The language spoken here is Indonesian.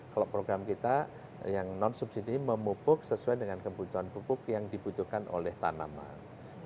kalau program kita yang non subsidi memupuk sesuai dengan kebutuhan pupuk yang dibutuhkan oleh tanaman